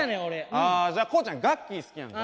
ああじゃあこうちゃんガッキー好きやんか。